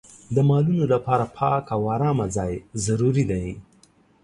د مالونو لپاره پاک او ارامه ځای ضروري دی.